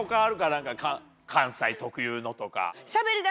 何か関西特有のとか。